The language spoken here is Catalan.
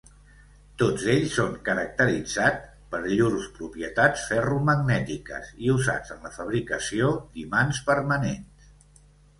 Tots ells són caracteritzats per llurs propietats ferromagnètiques i usats en la fabricació d'imants permanents.